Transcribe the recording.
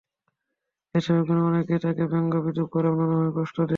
এসব গুণের জন্য অনেকেই তাঁকে ব্যঙ্গ-বিদ্রূপ করে এবং নানাভাবে কষ্ট দেয়।